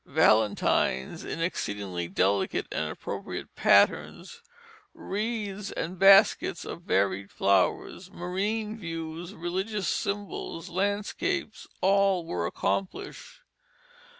Valentines in exceedingly delicate and appropriate patterns, wreaths and baskets of varied flowers, marine views, religious symbols, landscapes, all were accomplished.